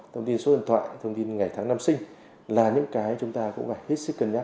thông tin số điện thoại thông tin ngày tháng năm sinh là những cái chúng ta cũng phải hết sức cân nhắc